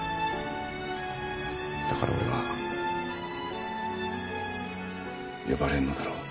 だから俺は呼ばれんのだろう？